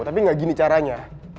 tapi gak gini caranya